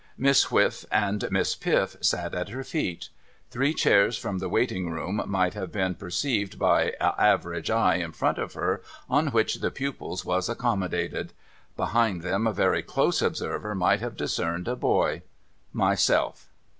Miss Whiff and Miss Pififsat at her feet. Three chairs from the Waiting Room might have been perceived by a average eye, in front of her, on which the pupils was accommodated. Behind them a very close observer might have discerned a Boy. Myself.